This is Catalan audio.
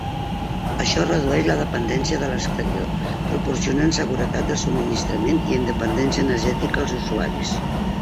Això redueix la dependència de l'exterior, proporcionant seguretat de subministrament i independència energètica als usuaris.